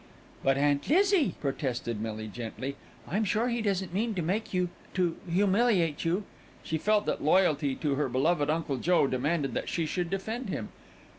"But, Aunt Lizzie," protested Millie gently, "I'm sure he doesn't mean to make you to humiliate you." She felt that loyalty to her beloved Uncle Joe demanded that she should defend him.